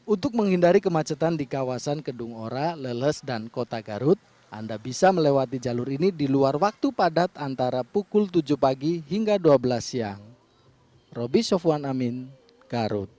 untuk menghindari kemacetan di kawasan kedung ora leles dan kota garut anda bisa melewati jalur ini di luar waktu padat antara pukul tujuh pagi hingga dua belas siang